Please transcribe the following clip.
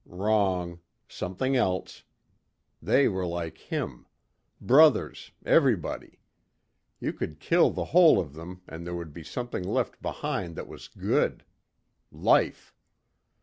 Wrong. Something else. They were like him. Brothers, everybody. You could kill the whole of them and there would be something left behind that was good Life.